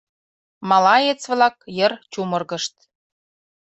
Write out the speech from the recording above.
Малаец-влак йыр чумыргышт.